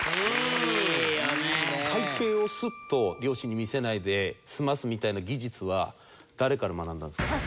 会計をスッと両親に見せないで済ますみたいな技術は誰から学んだんですか？